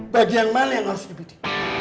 bagian mana yang harus dipuji